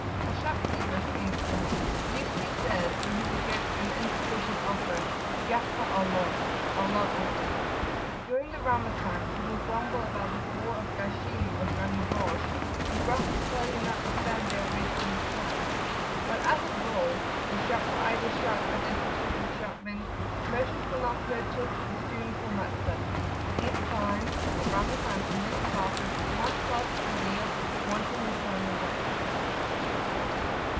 A shopkeeper, for instance, usually says when he rejects an insufficient offer, "Yaftah Allah," "Allah opens.[FN#2]" During the Ramazan, he will grumble about the bore of Ghashim, or "Johnny raws," and gruffly tell you not to stand there wasting his time. But as a rule the shops are either shut or destitute of shopmen, merchants will not purchase, and students will not study. In fine, [p.76]the Ramazan, for many classes, is one twelfth of the year wantonly thrown away.